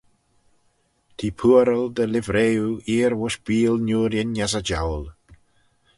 T'eh pooaral dy livrey oo eer voish beeal Niurin as y jouyl.